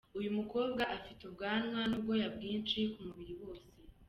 Uyu mukobwa afite ubwanwa n'ubwoya bwinshi ku mubiri wose.